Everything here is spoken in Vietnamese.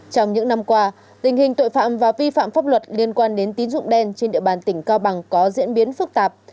trong những năm qua tình hình tội phạm và vi phạm pháp luật liên quan đến tín dụng đen trên địa bàn tỉnh cao bằng có diễn biến phức tạp